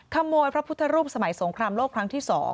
พระพุทธรูปสมัยสงครามโลกครั้งที่๒